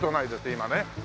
今ね